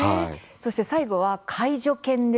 そして、最後は介助犬ですね。